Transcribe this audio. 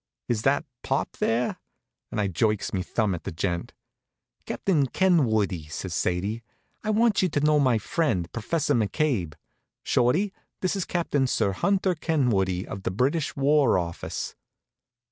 Is that pop, there?" and I jerks me thumb at the gent. "Captain Kenwoodie," says Sadie, "I want you to know my friend, Professor McCabe. Shorty, this is Captain Sir Hunter Kenwoodie, of the British war office."